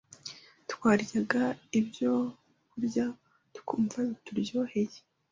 Twaryaga ibyo byokurya twumva bituryoheye